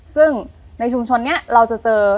ซึ่งในชุมชนนี้เราจะเจอ